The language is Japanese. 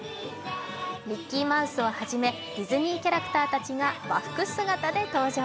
ミッキーハウスをはじめディズニーキャラクターたちが和服姿で登場。